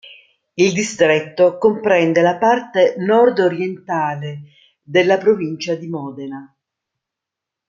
Il distretto comprende la parte nord-orientale della provincia di Modena.